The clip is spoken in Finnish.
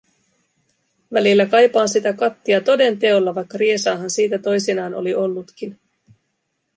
Välillä kaipaan sitä kattia toden teolla, vaikka riesaahan sitä toisinaan oli ollutkin.